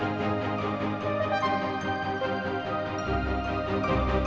tapi kan ini bukan arah rumah